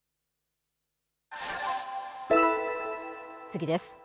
次です。